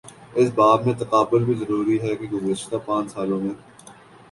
اس باب میں تقابل بھی ضروری ہے کہ گزشتہ پانچ سالوں میں